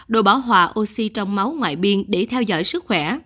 đồ bảo hòa oxy trong máu ngoại biên để theo dõi sức khỏe